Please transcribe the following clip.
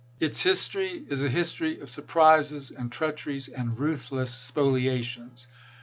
Its history is a history of surprises and treacheries and ruthless spoliations.